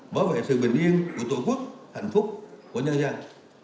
bảo vệ sự bình yên của tổ quốc hạnh phúc của nhân dân